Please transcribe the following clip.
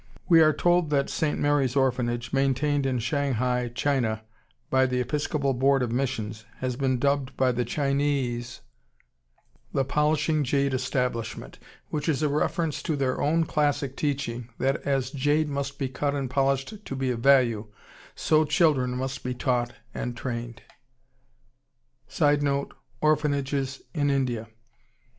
We are told that St. Mary's Orphanage maintained in Shanghai, China, by the Episcopal Board of Missions has been dubbed by the Chinese, "The Polishing Jade Establishment," which is a reference to their own classic teaching that as jade must be cut and polished to be of value, so children must be taught and trained. [Sidenote: Orphanages in India.